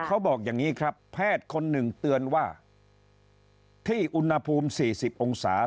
เขาบอกอย่างนี้ครับแพทย์คนหนึ่งเตือนว่าที่อุณหภูมิ๔๐องศา